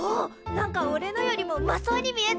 なんかおれのよりもうまそうに見えっぞ！